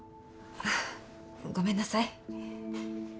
ああごめんなさい。